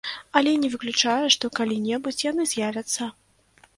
Але і не выключае, што калі-небудзь яны з'явяцца.